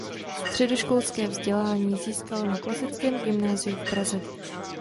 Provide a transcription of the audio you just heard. Středoškolské vzdělání získal na klasickém gymnáziu v Praze.